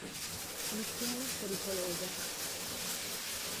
Missione pericolosa